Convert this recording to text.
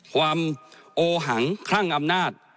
ความโอหังคลั่งอำนาจ